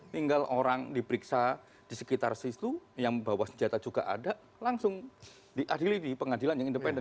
tinggal orang diperiksa di sekitar situ yang membawa senjata juga ada langsung diadili di pengadilan yang independen